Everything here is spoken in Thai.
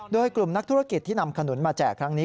โดยกลุ่มนักธุรกิจที่นำขนุนมาแจกครั้งนี้